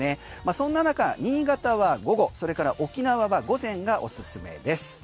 そんな中、新潟は午後それから沖縄は午前がおすすめです。